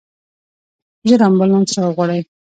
ژر امبولانس راوغواړئ.